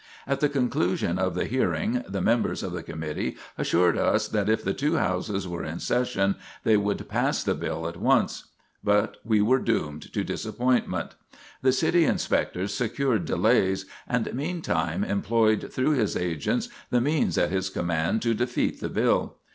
At the conclusion of the hearing the members of the committee assured us that if the two houses were in session they would pass the bill at once. But we were doomed to disappointment. The City Inspector secured delays, and meantime employed through his agents the means at his command to defeat the bill.